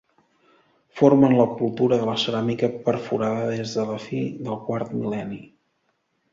Formen la cultura de la ceràmica perforada des de la fi del quart mil·lenni.